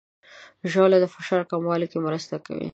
ژاوله د فشار کمولو کې مرسته کوي.